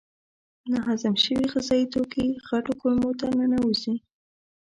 ناهضم شوي غذایي توکي غټو کولمو ته ننوزي.